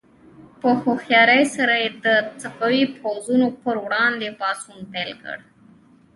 په هوښیارۍ سره یې د صفوي پوځونو پر وړاندې پاڅون پیل کړ.